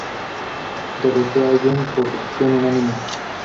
Derrote Young por decisión unánime.